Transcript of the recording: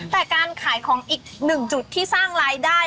แต่การขายของอีกหนึ่งจุดที่สร้างรายได้